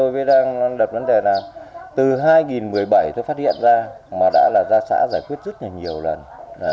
mà đã là gia xã giải quyết rất là nhiều lần